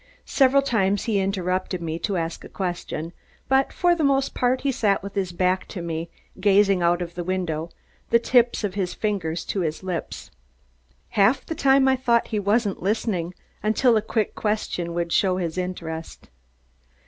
Several times he interrupted me, to ask a question, but for the most part he sat with his back to me, gazing out of the window, the tips of his fingers to his lips. Half the time I thought he wasn't listening, until a quick question would show his interest.